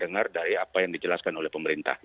dengar dari apa yang dijelaskan oleh pemerintah